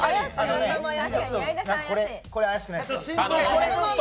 これ、怪しくないですか。